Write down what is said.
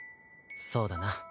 そうだな。